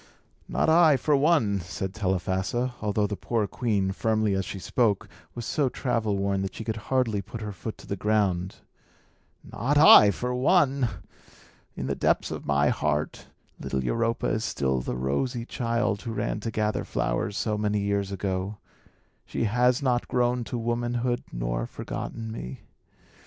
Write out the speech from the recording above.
"Not I, for one," said Telephassa; although the poor queen, firmly as she spoke, was so travel worn that she could hardly put her foot to the ground "not I, for one! In the depths of my heart, little Europa is still the rosy child who ran to gather flowers so many years ago. She has not grown to womanhood, nor forgotten me.